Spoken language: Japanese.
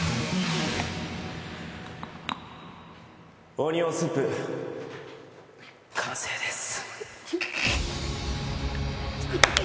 オニオンスープ、完成です。